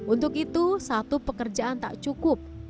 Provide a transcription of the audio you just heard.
untuk itu satu pekerjaan tak cukup